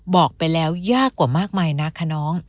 บอกไปแล้วยากกว่ามากมายนะคะน้อง